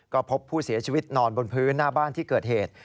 ก็พบผู้เสียชีวิตนอนบนพื้นหน้าบ้านที่เกิดเหตุ